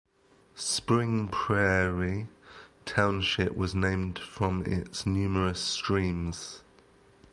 Spring Prairie Township was named from its numerous streams.